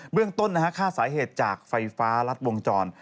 เรื่องต้นค่าสาเหตุจากไฟฟ้ารัดวงจร